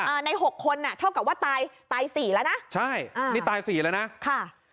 ในหกคนอ่ะเท่ากับว่าตายตายสี่แล้วนะใช่อ่านี่ตายสี่แล้วนะค่ะ